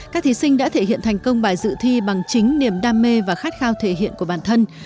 các thí sinh đã thể hiện thành công bài dự thi bằng chính niềm đam mê và khát khao thể hiện của bản thân